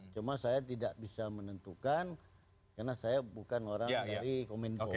cuma saya tidak bisa menentukan karena saya bukan orang dari kominfo